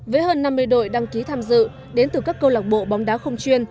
với hơn năm mươi đội đăng ký tham dự đến từ các câu lạc bộ bóng đá không chuyên